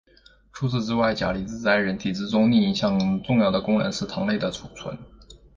除此之外钾离子在人体之中另一项重要的功能是糖类的储存。